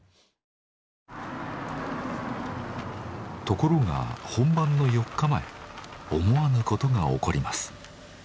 ところが本番の４日前思わぬことが起こります。